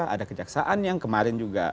ada kejaksaan yang kemarin juga